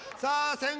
先攻！